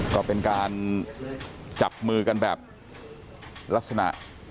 ก็เป็นการจับมือกันแบบลักษณะ